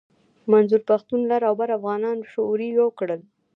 منظور پښتون لر او بر افغانان شعوري يو کړل.